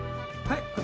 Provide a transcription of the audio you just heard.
はい。